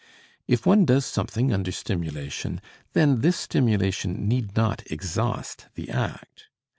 If one does something under stimulation, then this stimulation need not exhaust the act.